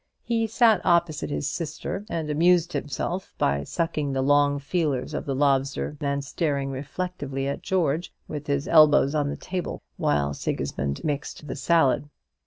He sat opposite his sister, and amused himself by sucking the long feelers of the lobster, and staring reflectively at George with his elbows on the table, while Sigismund mixed the salad.